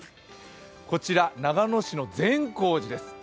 こちら、長野市の善光寺です。